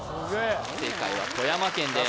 正解は富山県です